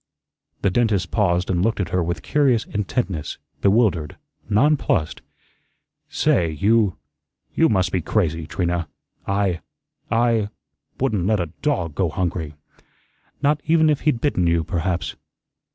The dentist paused and looked at her with curious intentness, bewildered, nonplussed. "Say, you you must be crazy, Trina. I I wouldn't let a DOG go hungry." "Not even if he'd bitten you, perhaps."